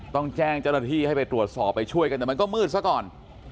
ต้องแจ้งเจ้าหน้าที่ให้ไปตรวจสอบไปช่วยกันแต่มันก็มืดซะก่อน